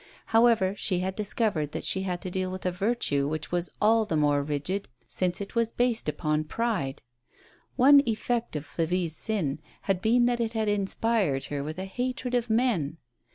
However, she had discovered that she had to deal with a virtue which was all the more rigid since it was based upon pride. One effect of Flavie^s sin had been that it had inspired her with a hatred of men.